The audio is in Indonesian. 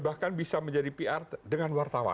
bahkan bisa menjadi pr dengan wartawan